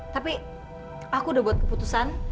tapi aku udah buat keputusan